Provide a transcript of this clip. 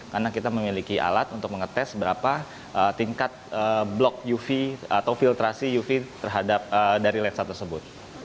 karena kita memiliki alat untuk mengetes berapa tingkat blok uv atau filtrasi uv terhadap dari lensa tersebut